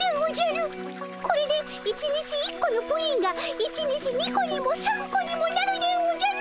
これで１日１個のプリンが１日２個にも３個にもなるでおじゃる！